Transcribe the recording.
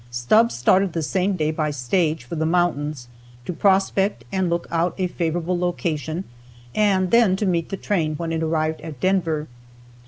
Stubbs started the same day by stage for the mountains, to prospect and look out for a favorable location and then to meet the train when it arrived at Denver.